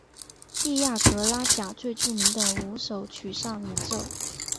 蒂亚格拉贾最著名的五首曲上演奏。